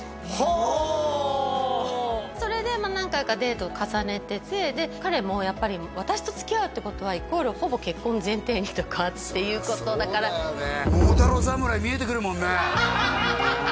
あおおそれで何回かデートを重ねててで彼もやっぱり私とつきあうってことはイコールほぼ結婚前提にとかっていうことだからやばいよね